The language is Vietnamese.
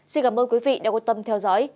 xin cảm ơn quý vị đã quan tâm theo dõi